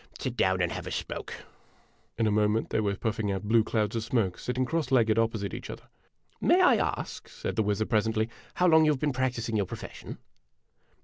Sit down and have a smoke." In a moment they were puffing out blue clouds of smoke, sit ting cross legged opposite each other. "May I ask," said the wizard, presently, "how long you have been practising your profession